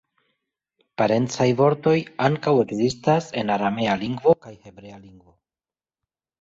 Parencaj vortoj ankaŭ ekzistas en aramea lingvo kaj hebrea lingvo.